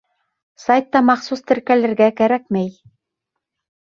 Сайтта махсус теркәлергә кәрәкмәй.